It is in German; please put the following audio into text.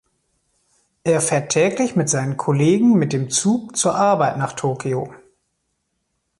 Er fährt täglich mit seinen Kollegen mit dem Zug zur Arbeit nach Tokio.